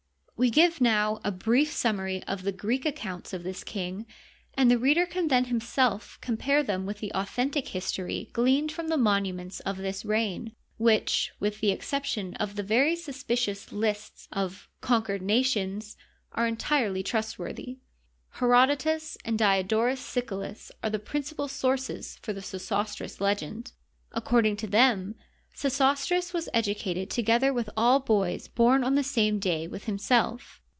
We give now a brief summary of the Greek accounts of this king, and the reader can then himself compare them with the authentic history gleaned from the monu ments of this reign, which, with the exception of the very suspicious "lists" of "conquered nations," are entirely trustworthy. Herodotus and Diodorus Siculus are the principal sources for the Sesostris legend. According to them, Sesostris was educated together with all boys bom on the same day with himself.